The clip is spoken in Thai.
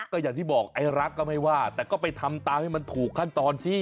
ก็อย่างที่บอกไอ้รักก็ไม่ว่าแต่ก็ไปทำตามให้มันถูกขั้นตอนสิ